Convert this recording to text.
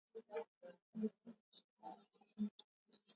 Kwa uchungu ninalia, hii tumbo nitaikata,